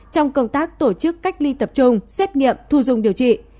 trong công tác tổ chức cách ly tập trung xét nghiệm thu dung điều trị